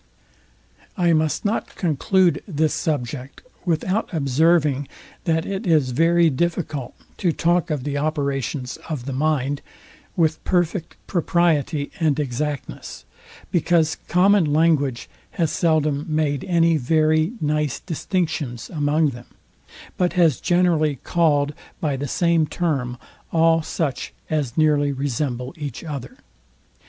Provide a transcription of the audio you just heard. I must not conclude this subject without observing, that it is very difficult to talk of the operations of the mind with perfect propriety and exactness; because common language has seldom made any very nice distinctions among them, but has generally called by the same term all such as nearly resemble each other.